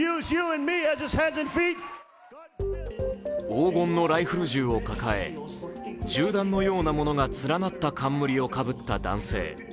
黄金のライフル銃を抱え、銃弾のようなものが連なった冠をかぶった男性。